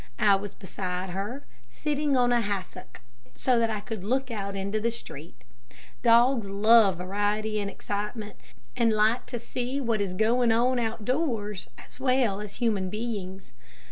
I was beside her, sitting on a hassock, so that I could look out into the street. Dogs love variety and excitement, and like to see what is going on out doors as well as human beings.